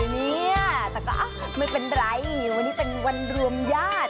เนี่ยแต่ก็ไม่เป็นไรวันนี้เป็นวันรวมญาติ